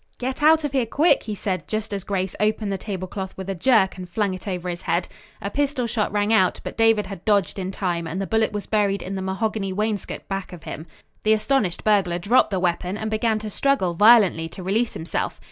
"Get out of here, quick!" he said just as Grace opened the table cloth with a jerk and flung it over his head. A pistol shot rang out, but David had dodged in time and the bullet was buried in the mahogany wainscot back of him. The astonished burglar dropped the weapon, and began to struggle violently to release himself.